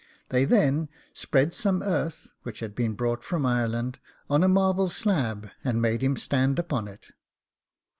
They then spread some earth, which had been brought from Ireland, on a marble slab, and made him stand upon it.